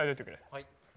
はい。